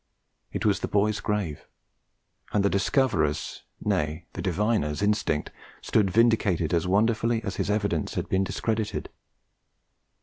It was the boy's grave; and the discoverer's nay, the diviner's instinct stood vindicated as wonderfully as his evidence had been discredited.